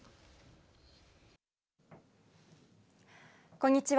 こんにちは。